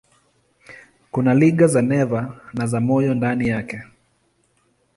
Kuna liga za neva na za moyo ndani yake.